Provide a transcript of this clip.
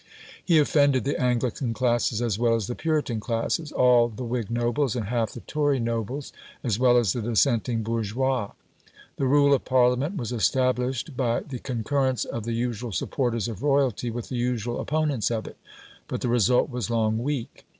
He offended the Anglican classes as well as the Puritan classes; all the Whig nobles, and half the Tory nobles, as well as the dissenting bourgeois. The rule of Parliament was established by the concurrence of the usual supporters of royalty with the usual opponents of it. But the result was long weak.